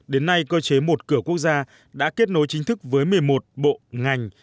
đến nay cơ chế một cửa quốc gia đã kết nối chính thức với một mươi một bộ ngành